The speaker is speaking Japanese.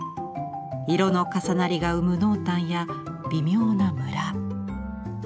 色の重なりが生む濃淡や微妙なむら。